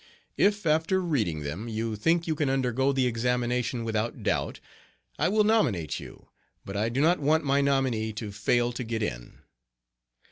If after reading them you think you can undergo the examination without doubt, I will nominate you. But I do not want my nominee to fail to get in.